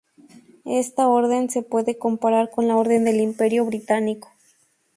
Esta orden se puede comparar con la Orden del Imperio Británico.